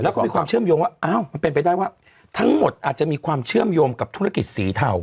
แล้วก็มีความเชื่อมโยงว่าอ้าวมันเป็นไปได้ว่าทั้งหมดอาจจะมีความเชื่อมโยงกับธุรกิจสีเทา